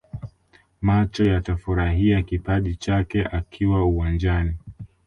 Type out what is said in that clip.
Macho yatafurahia kipaji chake akiwa uwanjani